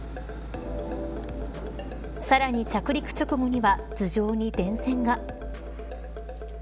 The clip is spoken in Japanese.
さらに着陸直後には頭上に電線が。